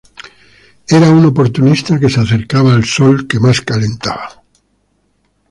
Era un oportunista que se acercaba al sol que más calienta